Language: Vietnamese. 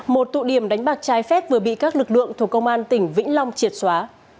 một tụ điểm đánh bạc trái phép vừa bị các lực lượng thuộc công an tỉnh vĩnh long triệt xóa